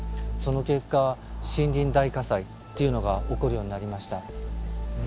その結果森林大火災っていうのが起こるようになりました。